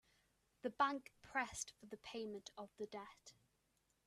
The bank pressed for payment of the debt.